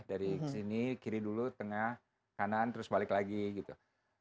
dari sini kiri dulu tengah kanan terus balik lagi gitu